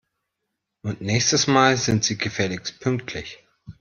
Und nächstes Mal sind Sie gefälligst pünktlich!